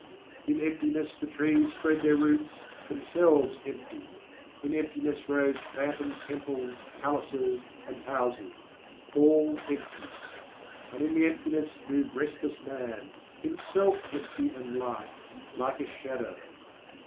_In emptiness the trees spread their roots, themselves empty; in emptiness rose phantom temples, palaces and houses all empty; and in the emptiness moved restless Man, himself empty and light, like a shadow_.